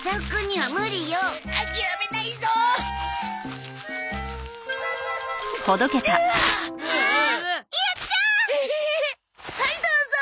はいどうぞ！